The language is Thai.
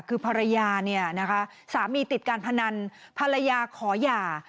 คือภรรยาเนี่ยนะคะสามีติดการพนันภรรยาขอหย่า